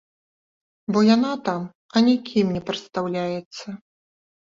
Бо яна там анікім не прадстаўляецца.